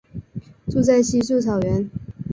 住在稀树草原。